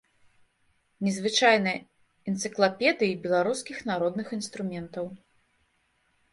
Незвычайная энцыклапедыі беларускіх народных інструментаў.